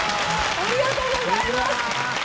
ありがとうございます！